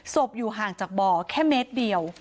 อยู่ห่างจากบ่อแค่เมตรเดียว